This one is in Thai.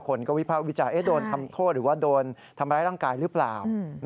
คนก็วิพากษ์วิจารณ์โดนทำโทษหรือว่าโดนทำร้ายร่างกายหรือเปล่า